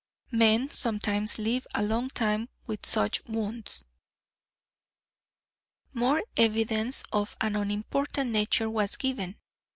Men sometimes live a long time with such wounds." More evidence, of an unimportant nature, was given.